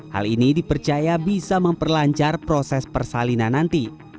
hal ini dipercaya bisa memperlancar proses persalinan nanti